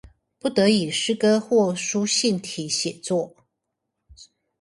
不得以詩歌或書信體寫作